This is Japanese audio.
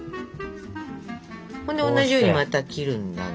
そんで同じようにまた切るんだが。